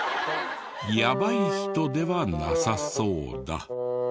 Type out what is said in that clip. やばい人ではなさそうだ。